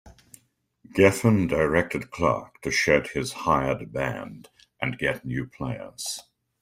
Geffen directed Clarke to shed his hired band and get new players.